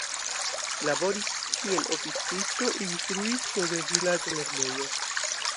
Laboris kiel oficisto, instruisto de vilaĝa lernejo.